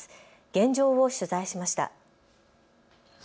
現状を取材しました。